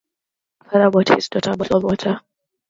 Father bought his daughter a bottle of water.